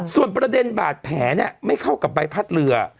ส่วนประเด็นบาดแผลไม่เข้ากับใบพัดเรือ